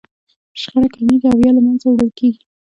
شخړه کمیږي او يا له منځه وړل کېږي.